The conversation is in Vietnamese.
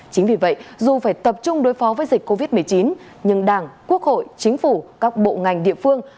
chính vì vậy dù phải tập trung đối phó với dịch covid một mươi chín nhưng đảng quốc hội chính phủ các bộ ngành địa phương